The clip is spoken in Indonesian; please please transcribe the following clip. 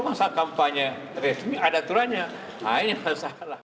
masalah kampanye ada turannya